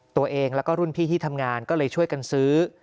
ตัวเองแล้วก็รุ่นพี่ที่ทำงานก็เลยช่วยกันซื้อ